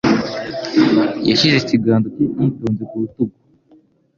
Yashyize ikiganza cye yitonze ku rutugu.